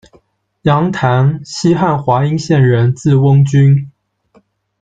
杨谭，西汉华阴县人，字翁君。